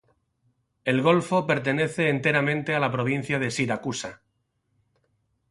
El golfo pertenece enteramente a la provincia de Siracusa.